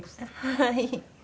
はい。